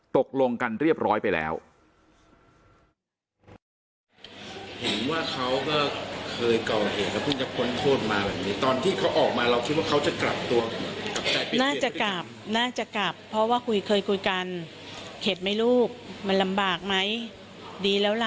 ตกลงกันเรียบร้อยไปแล้ว